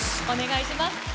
お願いします。